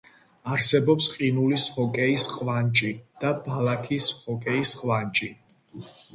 არსებობს ყინულის ჰოკეის ყვანჭი და ბალახის ჰოკეის ყვანჭი.